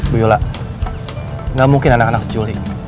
bu yula gak mungkin anak anak sejulik